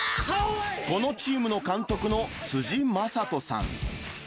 このチームの監督の辻正人さん。